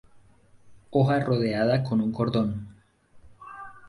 Hoja rodeada con un cordón.